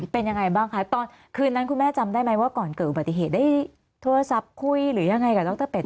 เป็นยังไงบ้างคะตอนคืนนั้นคุณแม่จำได้ไหมว่าก่อนเกิดอุบัติเหตุได้โทรศัพท์คุยหรือยังไงกับดรเป็ด